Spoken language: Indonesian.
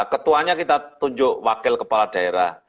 ketuanya kita tunjuk wakil kepala daerah